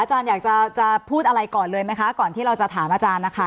อาจารย์อยากจะพูดอะไรก่อนเลยไหมคะก่อนที่เราจะถามอาจารย์นะคะ